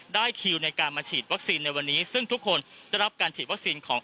คิวในการมาฉีดวัคซีนในวันนี้ซึ่งทุกคนได้รับการฉีดวัคซีนของ